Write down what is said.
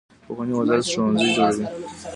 پوهنې وزارت ښوونځي جوړوي